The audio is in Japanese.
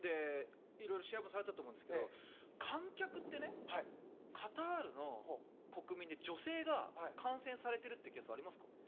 色々試合もされたと思うんですが観客ってカタールの国民で女性が観戦されてるってケースありますか？